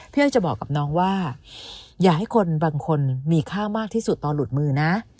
อ้อยจะบอกกับน้องว่าอย่าให้คนบางคนมีค่ามากที่สุดตอนหลุดมือนะ